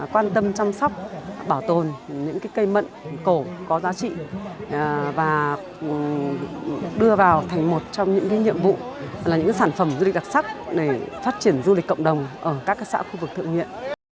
quan tâm chăm sóc bảo tồn những cây mận cổ có giá trị và đưa vào thành một trong những nhiệm vụ là những sản phẩm du lịch đặc sắc để phát triển du lịch cộng đồng ở các xã khu vực thượng huyện